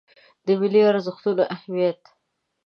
د ملي ارزښتونو اهمیت